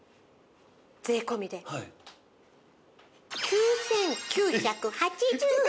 税込で９９８０円。